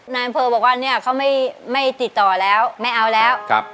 นายอำเภอบอกว่าเนี่ยเขาไม่ติดต่อแล้วไม่เอาแล้ว